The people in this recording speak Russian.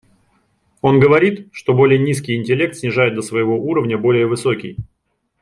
Он говорит, что более низкий интеллект снижает до своего уровня более высокий.